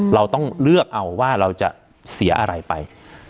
เราต้องเลือกเอาว่าเราจะเสียอะไรไป